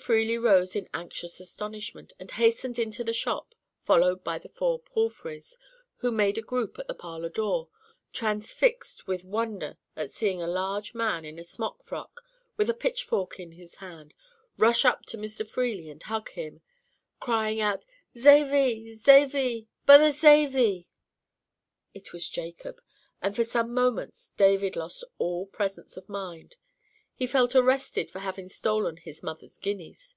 Freely rose in anxious astonishment, and hastened into the shop, followed by the four Palfreys, who made a group at the parlour door, transfixed with wonder at seeing a large man in a smock frock, with a pitchfork in his hand, rush up to Mr. Freely and hug him, crying out,—"Zavy, Zavy, b'other Zavy!" It was Jacob, and for some moments David lost all presence of mind. He felt arrested for having stolen his mother's guineas.